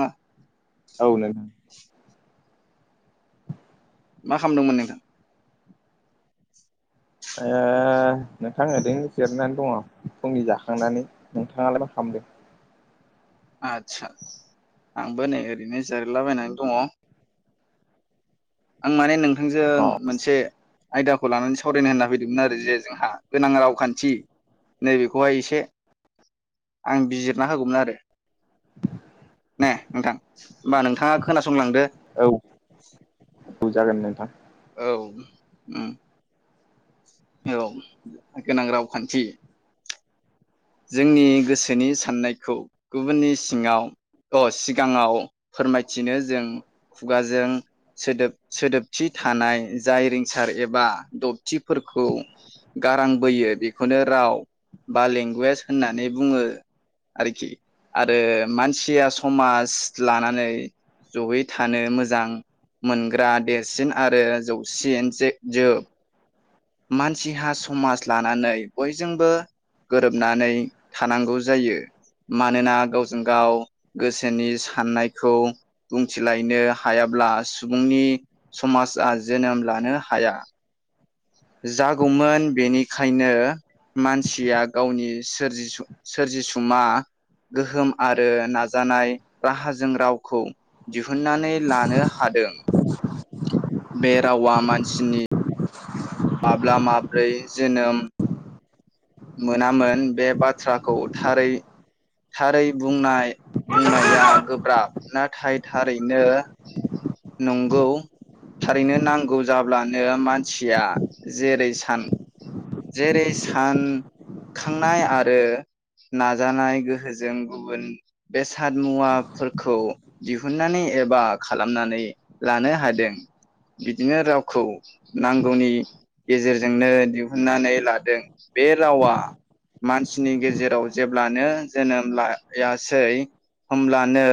हा औ नों मा खालामदोंमोन नोंथां? ओ नोंथां ओरैनो जिरनानै दङ फुंनि जाखांनानै नोंथाङालाय मा खालामदों आदसा आंबो नै ओरैनो जिरायलाबायनानै दङ आं माने नोंथांजों अ मोनसे आयदाखौ खौ लानानै सावरायनो होनना फैदोंमोन आरो जे जोंहा गोनां रावखान्थि नैबेखौहाय एसे आं बिजिरना होगौमोन आरो [inaudible] ने नोंथां होमबा नोंथाङा खोनासंलांदो औ औ जागोन नोंथां औ उम औ गोनां रावखान्थि जोंनि गोसोनि साननायखौ गुबुननि सिङाव सिगाङाव फोरमायथिनो जों खुगाजों सोदोब सोदोबथि थानाय जाय रिंसार एबा थिफोरखौ गारां बोयो बेखौनो राव बा लेंगुवेज होननानै बुङो आरोखि आरो मानसिया समाज लानानै जयै थानो मोजां मोनग्रा देरसिन आरो जौसिन जे जो मानसिहा समाज लानानै बयजोंबो नानै थानांगौ जायो मानोना गावजों गाव गोसोनि साननायखौ बुंथिलायनो हायाब्ला सुबुंनि समाजा जोनोम लानो हाया। जागौमोन बेनिखायनो मानसिया गावनि सोरि सोरजिसुमा गोहोम आरो नाजानाय बाहा जों रावखौ दिहुननानै लानो हादों बे रावा मानसिनि माब्ला माब्रै जोनोम मोनामोन बे बाथ्राखौ थारै थारै बुंनाय बुंनाया गोब्राब नाथाय थारैनो नंगौ थारैनो नांगौ जाब्लानो मानसिया जेरै सान जेरै सान खांनाय आरो नाजानाय गोहोजों गुबुन बेसाद मुवाफोरखौ दिहुननानै एबा खालामनानै लानो हादों। बिदिनो रावखौ नांगौनि गेजेरजोंनो दि हुननानै लादों बे रावा मानसिनि गेजेराव जेब्लानो जोनोम लायासै होमब्लानो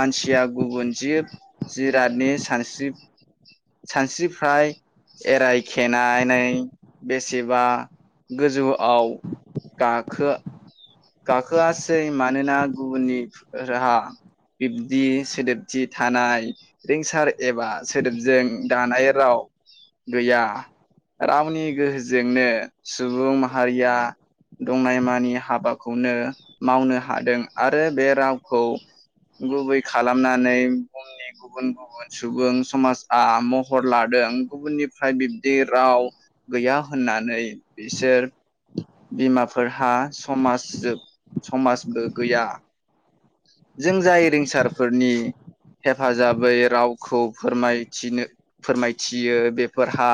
मानसिया गुबुन जिब जिरादनि सानस्रि सानस्रिफ्राय एराय खेनानै बेसेबा गोजौवाव गाखो गाखोआसै मानोना गुबुननि राहा बिब्दि सोदोबथि थानाय रिंसार एबा सोदोबजों दानाय राव गैया। रावनि गोहोजोंनो सुबुं माहारिया दंनायमानि हाबा खौनो मावनो हादों आरो बे रावखौ गुबै खालामनानै बुहुमनि गुबुन गुबुन गुबुन सुबुं समाजआ महर लादों गुबुननिफ्राय बिब्दि राव गैया होननानै बिसोर बिमाफोरहा समाज जोब समाजबो गैया जों जाय रिंसारफोरनि हेफाजाबै रावखौ फोरमायथिनो फोरमायथियो बेफोरहा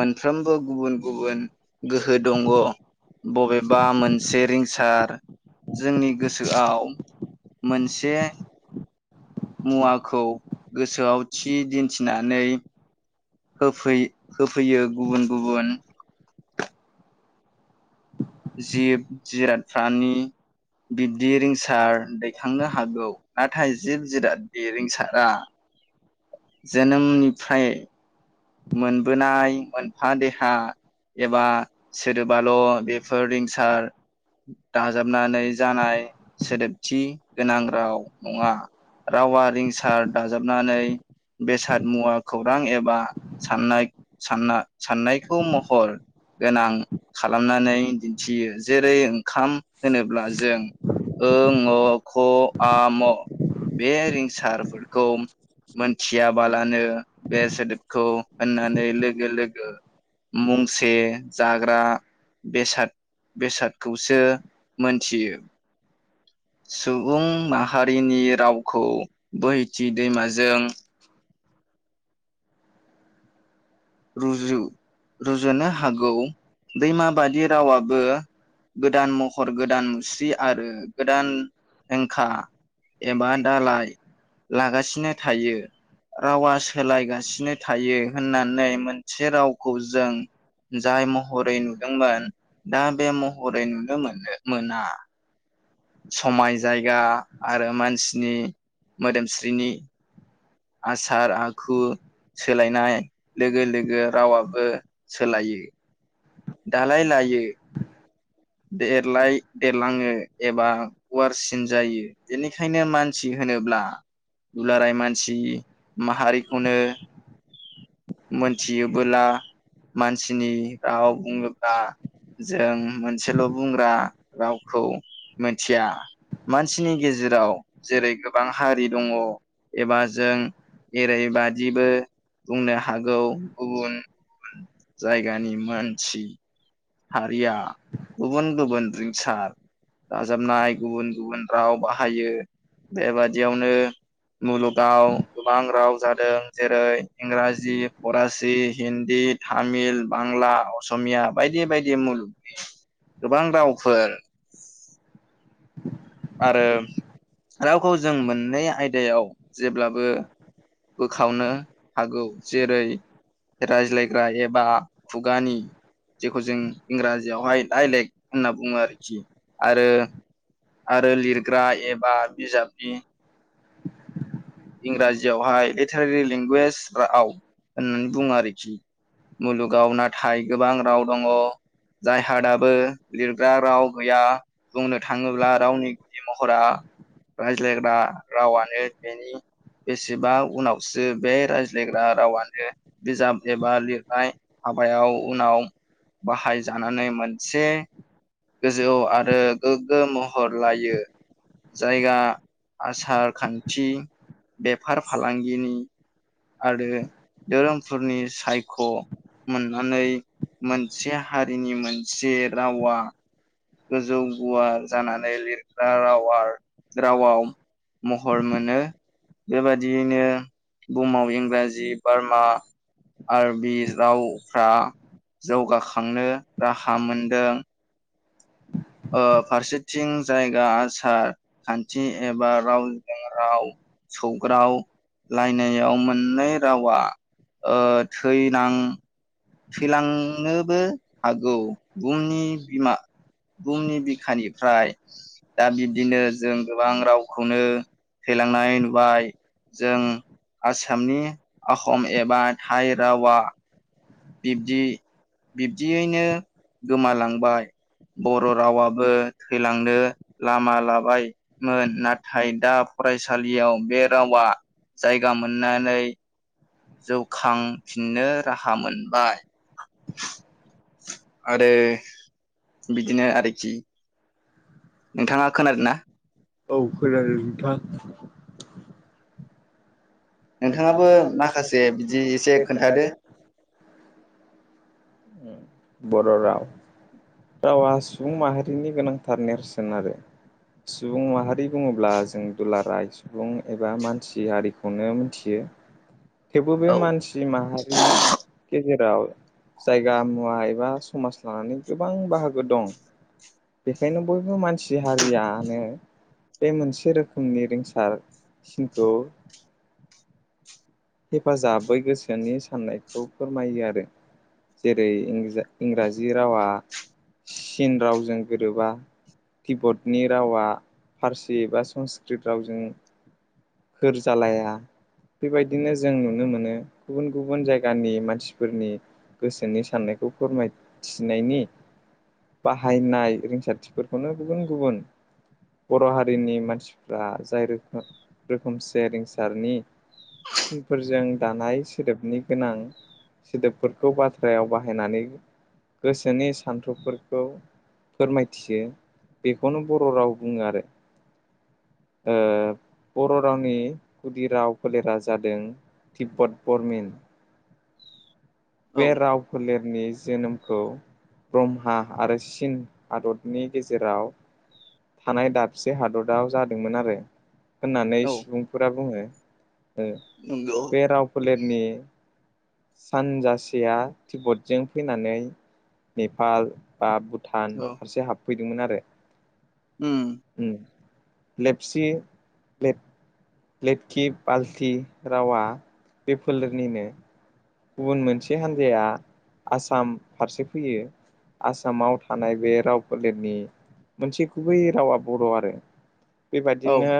मोनफ्रोमबो गुबुन गुबुन गोहो दङ बबेबा मोनसे रिंसार जोंनि गोसोआव मोनसे मुवाखौ गोसोआव थि दिन्थिनानै होफै-होफैयो गुबुन-गुबुन जिब जिरादफ्रानि बिब्दि रिंसार दैखांनो हागौ नाथाय जिब जिराद रिंसारा जोनोमनिफ्राय मोनबोनाय मोनफा देहा एबा सोरोदोबाल' बेफोर रिंसार दाजाबनानै जानाय सोदोबथि गोनां राव नङा रावा रिंसार दाजाबनानै बेसाद मुवा खौरां एबा साननाय सान-साननायखौ महर गोनां खालामनानै दिन्थियो जेरै ओंखाम होनोब्ला जों ओ ङ ख आ म बे रिंसारफोरखौ मोनथियाबालानो बे सोदोबखौ होननानै लोगो लोगो मुंसे जाग्रा बेसाद बेसादखौसो मोनथियो सुबुं माहारिनि रावखौ बोहैथि दैमाजों [inaudible] रुजु-रुजुनो हागौ दैमाबादि रावाबो गोदान महर गोदान मुस्रि आरो गोदान हेंखा एबा दालाय लागासिनो थायो रावा सोलायगासिनो थायो होननानै मोनसे रावखौ जों जाय महरै नुदोंमोन दा बे महरै नुनो मोनो मोना समाय जायगा आरो मानसिनि मोदोमस्रिनि आसार आखु सोलायनाय लोगो लोगो रावाबो सोलायो दालाय लायो देरलाय देरलाङो एबा गुवारसिन जायो बेनिखायनो मानसि होनोब्ला दुलाराय मानसि माहारिखौनो मोनथियोबोला मानसिनि राव बुङोब्ला जों मोनसेल' बुंग्रा रावखौ मोनथिया मानसिनि गेजेराव जेरै गोबां हारि दङ एबा जों एरैबादिबो बुंनो हागौ गुबुन जायगानि मानसि हारिया गुबुन गुबुन रिंसार दाजाबनाय गुबुन गुबुन राव बाहायो बेबादियावनो मुलुगाव गोबां राव जादों जेरै इंराजि फरासि हिन्दी तामिल बांला असमिया बायदि बायदि मुलुगनि गोबां रावफोर आरो रावखौ जों मोननै आयदायाव जेब्लाबो बोखावनो हागौ जेरै रायज्लायग्रा एबा खुगानि जेखौ जों इंराजियावहाय आइलेक होनना बुङो आरोखि आरो आरो लिरग्रा एबा बिजाबनि इंराजियावहाय लिटारियेल लेंगुवेज राव होननानै बुङो आरोखि मुलुगाव नाथाय गोबां राव दङ जायहा दाबो लिरग्रा राव गैया बुंनो थाङोब्ला रावनि गुदि महरा रायज्लायग्रा रावानो बेनि बेसेबां उनावसो बे रायज्लायग्रा रावानो बिजाब एबा लिरनाय हाबायाव उनाव बाहायजानानै मोनसे गोजौ आरो गोग्गो महर लायो। जायगा आसार खान्थि बेफार फालांगिनि आरो धोरोमफोरनि सायख' मोननानै मोनसे हारिनि मोनसे रावा गोजौ गुवार जानानै लिरग्रा रावा-रावआव महर मोनो। बेबादियैनो बुहुमाव इंराजि बार्मा आरबि रावफ्रा जौगाखांनो राहा मोनदों। ओ फारसेथिं जायगा आसार खान्थि एबा रावजों राव सौग्रावलायनायाव मोननै रावा ओ थैनां थैलांनोबो हागौ बुहुमनि बिमा बुहुमनि बिखानिफ्राय दा बिब्दिनो जों गोबां रावखौनो थैलांनाय नुबाय। जों आसामनि आहम एबा थाइ रावा बिब्दि बिब्दियैनो गोमालांबाय बर' रावाबो थैलांनो लामा लाबाय। मोन नाथाय दा फरायसालियाव बे रावा जायगा मोननानै जौखांफिननो राहा मोनबाय। आरो बिदिनो आरोखि नोंथाङा खोनादों ना? औ खोनादों नोंथां। नोंथाङाबो माखासे बिदि एसे खोन्थादो। बर' राव रावा सुबुं माहारिनि गोनांथार नेरसोन आरो सुबुं माहारि बुङोब्ला जों दुलाराय सुबुं एबा मानसि हारिखौनो मिथियो थेवबो बे औ मानसि माहारि गेजेराव जायगा मु एबा समाज लानानै गोबां बाहागो दं। बेखायनो बयबो मानसि हारियानो बे मोनसे रोखोमनि रिंसारसिनखौ हेफाजाबै गोसोनि साननायखौ फोरमायो आरो। जेरै इंराजि रावा चीन रावजों गोरोबा ति्बतनि रावा फारसि एबा संस्कृत रावजों जालाया बेबायदि बिदिनो जों नुनो मोनो गुबुन गुबुन जायगानि मानसिफोरनि गोसोनि साननायखौ फोरमायथिनायनि बाहायनाय रिंसारथिफोरखौनो गुबुन गुबुन बर' हारिनि मानसिफ्रा जाय रोखो रोखोमसे रिंसारनि सिनफोरजों दानाय सोदोबनि गोनां सोदोबफोरखौ बाथ्रायाव बाहायनानै गोसोनि सान्थौफोरखौ फोरमायथियो बेखौनो बर' राव बुङो आरो। ओ बर' रावनि गुदि राव फोलेरा जादों तिब्बत बरमिन बे औ राव फोलेरनि जोनोमखौ ब्रह्मा आरो चीन हादरनि गेजेराव थानाय दाबसे हादराव जादोंमोन आरो। होननानै औ सुबुंफोरा बुङो ओ नंगौ बे राव फोलेरनि सानजासेया तिब्बतजों फैनानै नेपाल। बा भुटान औ फारसे हाबफैदोंमोन आरो। उम। लेपसि। लेबखि बाल्थि रावा बे फोलेरनिनो। गुबुन मोनसे हान्जाया आसाम फारसे फैयो। आसामाव थानाय बे राव फोलेरनि। मोनसे गुबै रावा बर' आरो औ बेबादिनो।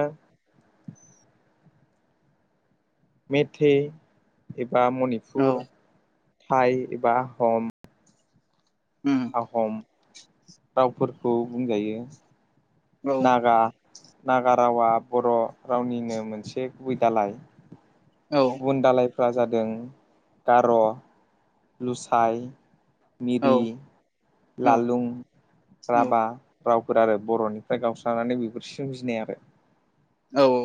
मेथे एबा औ मनिपुर थाइ एबा आहम उम आहम रावफोरखौ बुंजायो। औ नागा नागा रावा बर' रावनिनो मोनसे गुबै दालाय। औ। गुबुन दालायफ्रा जादों गार'। लुसाइ औ मिरि औ लालुं राभा। रावफोर आरो बर'निफ्राय गावस्रानानै बेफोर सिमजिनाय आरो। औ औ।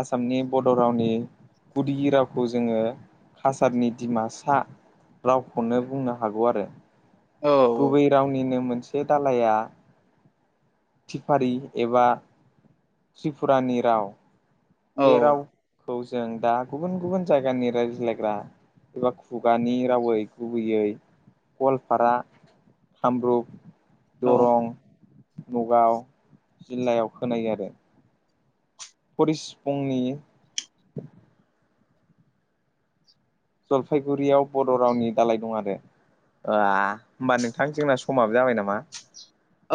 आसामनि बड' रावनि गुदि रावखौ जोङो कासारनि दिमासा। फिसा रावखौनो बुंनो हागौ आरो। औ। गुबै रावनिनो मोनसे दालाया थिफारि एबा। त्रिपुरानि राव। औ बे रावखौ जों दा गुबुन गुबुन जायगानि रायज्लायग्रा। एबा खुगानि रावै गुबैयै गवालपारा। कामरुप औ दरं नगाव जिल्लायाव खोनायो आरो। परिस फुंनि। जलफाइगुरियाव बर' रावनि दालाय दं आरो। होमबा नोंथां जोंना समाबो जाबाय नामा।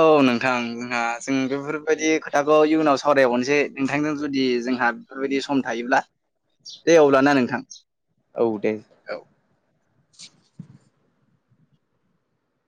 औ नोंथां जोंहा जों बेफोरबायदि खोथाखौ इयुनाव सावरायबावनोसै नोंथांजों जुदि जोंहा। बेफोरबायदि सम थायोब्ला दे अब्लाना नोंथां। औ दे। औ